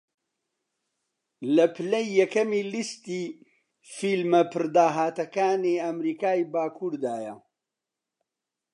لە پلەی یەکەمی لیستی فیلمە پڕداهاتەکانی ئەمریکای باکووردایە